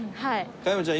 加山ちゃん